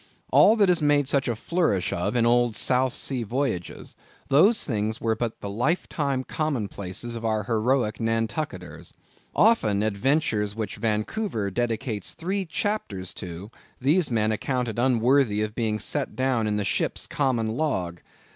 All that is made such a flourish of in the old South Sea Voyages, those things were but the life time commonplaces of our heroic Nantucketers. Often, adventures which Vancouver dedicates three chapters to, these men accounted unworthy of being set down in the ship's common log.